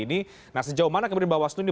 ini nah sejauh mana kemudian bawas itu